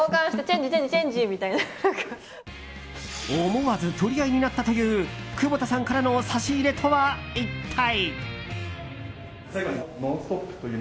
思わず取り合いになったという窪田さんからの差し入れとは一体。